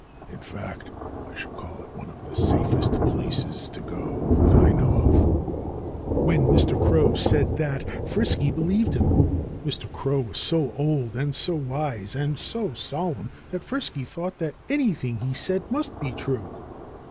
In fact, I should call it one of the safest places to go that I know of." When Mr. Crow said that, Frisky believed him. Mr. Crow was so old, and so wise, and so solemn, that Frisky thought that anything he said must be true.